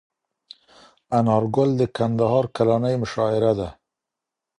انارګل د کندهار کلنۍ مشاعره ده.